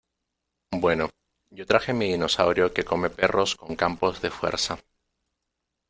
Bueno, yo traje mi dinosaurio que come perros con campos de fuerza.